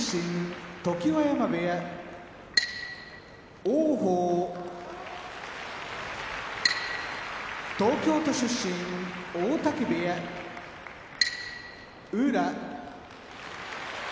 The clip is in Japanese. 常盤山部屋王鵬東京都出身大嶽部屋宇良